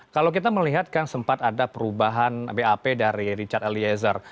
kalau kita melihat kan sempat ada perubahan bap dari richard eliezer